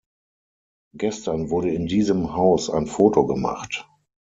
Gestern wurde in diesem Haus ein Photo gemacht.